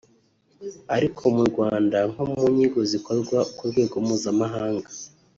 Ariko mu Rwanda nko mu nyigo zikorwa no ku rwego mpuzamahanga